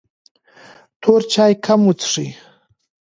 تور چای کم وڅښئ.